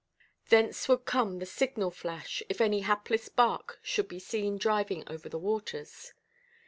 Thence would come the signal flash, if any hapless bark should be seen driving over the waters.